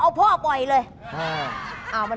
เอ้าไม่ทาน